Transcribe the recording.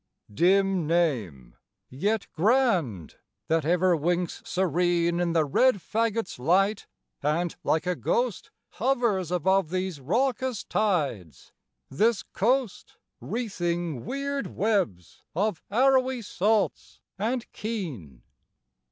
Dim name, yet grand, that ever winks serene In the red fagot's light, and like a ghost Hovers above these raucous tides, this coast, Wreathing weird webs of arrowy salts and keen!